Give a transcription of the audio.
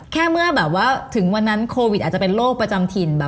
เมื่อแบบว่าถึงวันนั้นโควิดอาจจะเป็นโรคประจำถิ่น